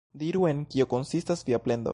Diru, en kio konsistas via plendo?